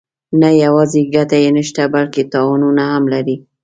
نه یوازې ګټه یې نشته بلکې تاوانونه هم لري.